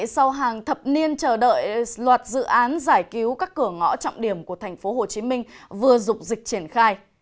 sau hàng thập niên chờ đợi loạt dự án giải cứu các cửa ngõ trọng điểm của thành phố hồ chí minh vừa dục dịch triển khai